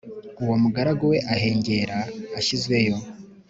Uwo mugaragu we ahengera ashyizweyo